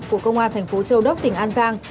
của công an thành phố châu đốc tỉnh an giang